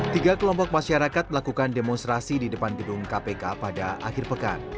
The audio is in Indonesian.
tiga kelompok masyarakat melakukan demonstrasi di depan gedung kpk pada akhir pekan